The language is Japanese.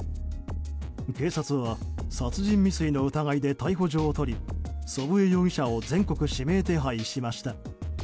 警察は殺人未遂の疑いで逮捕状を取り祖父江容疑者を全国指名手配しました。